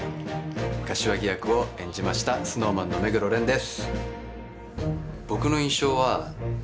柏木役を演じましたＳｎｏｗＭａｎの目黒蓮です。